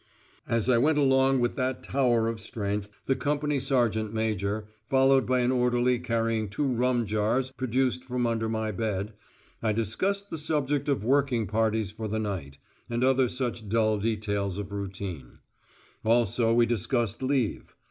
As I went along with that tower of strength, the company sergeant major, followed by an orderly carrying two rum jars produced from under my bed, I discussed the subject of working parties for the night, and other such dull details of routine. Also we discussed leave.